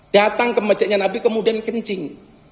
datang ke masjidnya nabi kemudian kencing